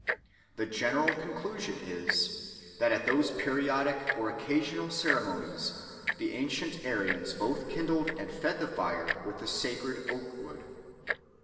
The general conclusion is, that at those periodic or occasional ceremonies the ancient Aryans both kindled and fed the fire with the sacred oak wood.